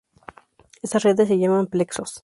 Estas redes se llaman plexos.